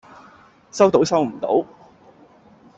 收到收唔到